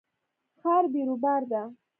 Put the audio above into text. ښار بیروبار ده